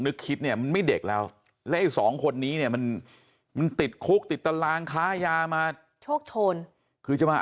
นึกคิดมันมีเด็กเราแล้วสองคนนี้มันมันติดคุกติดตารางค้ายามาโชคโชนคือจะมา